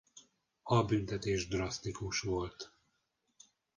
A büntetés drasztikus volt.